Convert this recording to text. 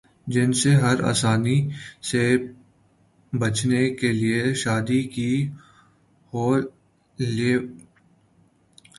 جنسی ہراسانی سے بچنے کیلئے شادی کی ہولی وڈ اداکارہ